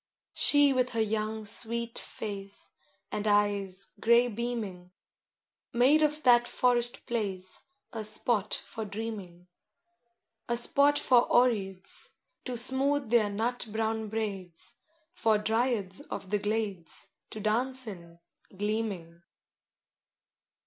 III She with her young, sweet face And eyes gray beaming, Made of that forest place A spot for dreaming: A spot for Oreads To smooth their nut brown braids, For Dryads of the glades To dance in, gleaming.